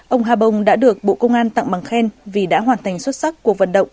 ông ha bông đã được bộ công an tặng bằng khen vì đã hoàn thành xuất sắc cuộc vận động